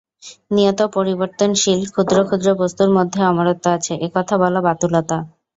নিয়ত-পরিবর্তনশীল ক্ষুদ্র ক্ষুদ্র বস্তুর মধ্যে অমরত্ব আছে, এ-কথা বলা বাতুলতা।